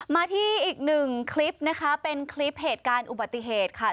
มาที่อีกหนึ่งคลิปนะคะเป็นคลิปเหตุการณ์อุบัติเหตุค่ะ